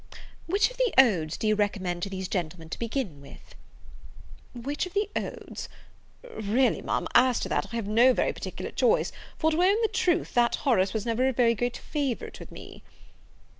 "Which of the Odes do you recommend to these gentlemen to begin with?" "Which of the Odes! Really, Ma'am, as to that, I have no very particular choice; for, to own the truth, that Horace was never a very great favourite with me."